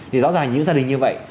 thì rõ ràng những gia đình như vậy